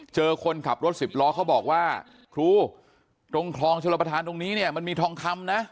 คนขับรถสิบล้อเขาบอกว่าครูตรงคลองชลประธานตรงนี้เนี่ยมันมีทองคำนะ